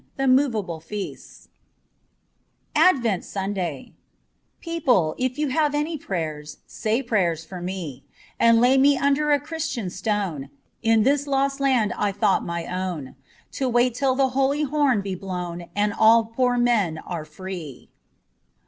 406 The Moveable Feasts ADVENT SUNDAY PEOPLE, if you have any prayers, Say prayers for me ; And lay me under a Christian stone In this lost land I thought my own, To wait till the holy horn be blown And all poor men are free.